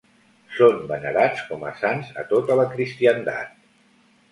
Són venerats com a sants a tota la cristiandat.